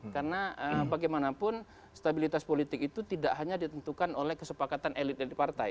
karena bagaimanapun stabilitas politik itu tidak hanya ditentukan oleh kesepakatan elit dari partai